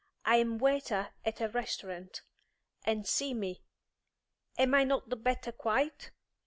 I am waiter at a restaurant. And see me; am I not the better quite?